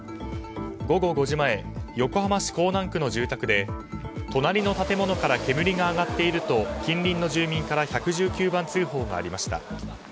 午後５時前横浜市港南区の住宅で隣の建物から煙が上がっていると近隣の住民から１１９番通報がありました。